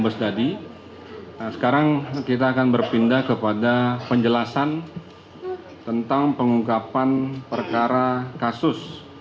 sekarang kita akan berpindah kepada penjelasan tentang pengungkapan perkara kasus